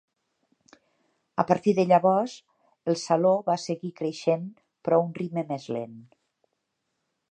A partir de llavors el saló va seguir creixent però a un ritme més lent.